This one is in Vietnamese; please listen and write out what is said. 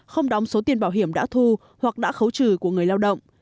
không đóng số tiền bảo hiểm đã thu hoặc đã khấu trừ của người lao động